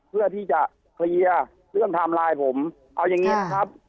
เพื่อที่จะเคลียร์เรื่องไทม์ไลน์ผมเอาอย่างนี้นะครับ